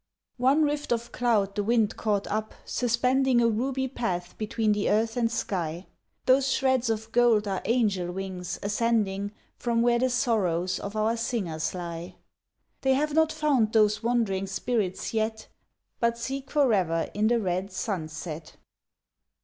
One rift of cloud the wind caught up suspending A ruby path between the earth and sky; Those shreds of gold are angel wings ascending From where the sorrows of our singers lie; They have not found those wandering spirits yet, But seek for ever in the red sunset.